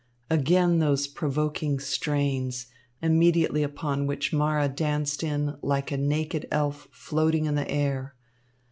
Again those provoking strains, immediately upon which Mara danced in, like a naked elf floating in the air.